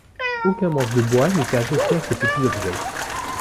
Aucun manche de bois n'était associé à ces petits objets.